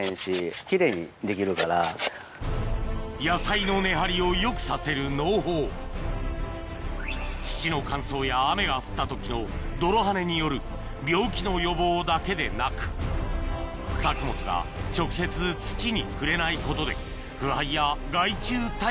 野菜の根張りをよくさせる農法土の乾燥や雨が降った時の泥はねによる病気の予防だけでなく作物が直接土に触れないことでＤＡＳＨ